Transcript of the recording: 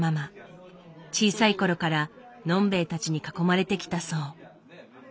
小さいころから呑んべえたちに囲まれてきたそう。